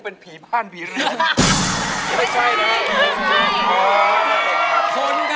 อายุ๒๔ปีวันนี้บุ๋มนะคะ